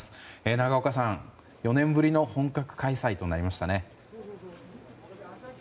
長岡さん、４年ぶりの本格開催となりましたね。